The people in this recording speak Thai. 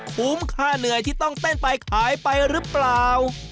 คุ้มค่าเหนื่อยที่ต้องเต้นไปขายไปหรือเปล่า